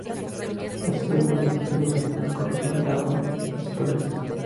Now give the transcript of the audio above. Los títulos más recientes usan una corrección gamma en sus paletas.